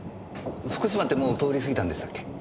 福島ってもう通り過ぎたんでしたっけ？